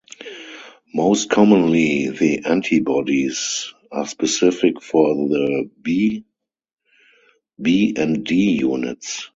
Most commonly, the antibodies are specific for the B, B' and D units.